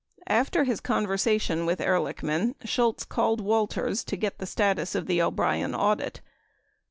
14 After his conversation with Ehrlichman, Shultz called Walters to get the status of the O'Brien audit.